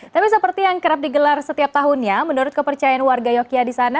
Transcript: tapi seperti yang kerap digelar setiap tahunnya menurut kepercayaan warga yogyakarta di sana